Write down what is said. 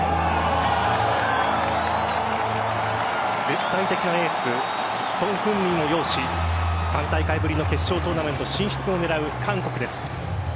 絶対的なエースソン・フンミンを擁し３大会ぶりの決勝トーナメント進出を狙う韓国です。